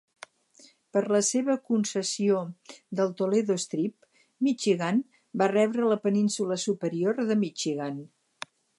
Per la seva concessió del Toledo Strip, Michigan va rebre la península superior de Michigan.